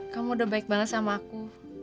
kamu udah baik banget sama aku